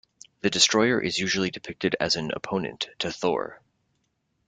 The Destroyer is usually depicted as an opponent to Thor.